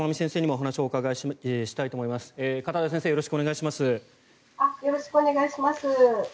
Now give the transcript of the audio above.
よろしくお願いします。